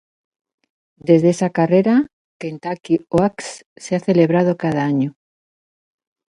Desde esa carrera, Kentucky Oaks se ha celebrado cada año.